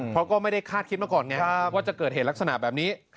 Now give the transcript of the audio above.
เพราะก็ไม่ได้คาดคิดมาก่อนไงว่าจะเกิดเหตุลักษณะแบบนี้